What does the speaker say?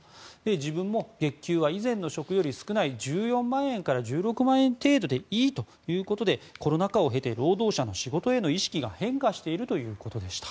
自分も月給は以前の職より少ない１４万円から１６万円程度でいいとコロナ禍を経て労働者の仕事への意識が変化しているということでした。